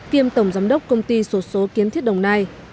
kiêm tổng giám đốc công ty sổ số kiến thiết đồng nai